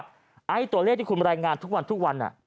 หลายคนตั้งข้อสังเกตว่าไอ้ตัวเลขที่คุณมารายงานทุกวันทุกวันน่ะ